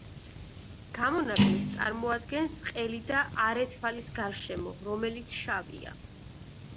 გამონაკლისს წარმოადგენს ყელი და არე თვალის გარშემო, რომელიც შავია.